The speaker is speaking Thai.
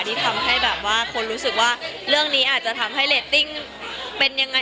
ที่ทำให้แบบว่าคนรู้สึกว่าเรื่องนี้อาจจะทำให้เรตติ้งเป็นยังไง